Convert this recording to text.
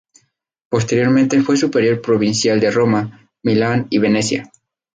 Posteriormente fue superior provincial de Roma, Milán y Venecia.